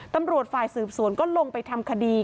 ตำรวจฝ่ายสืบสวนก็ลงไปทำคดี